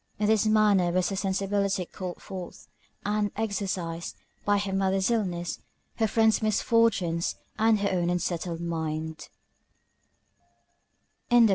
In this manner was her sensibility called forth, and exercised, by her mother's illness, her friend's misfortunes, and her own unsettled mind.